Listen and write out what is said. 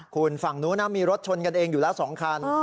คุณฝั่งนู้นนะมีรถชนกันเองอยู่แล้ว๒คัน